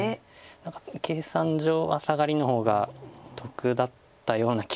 何か計算上はサガリの方が得だったような気がするんですけど。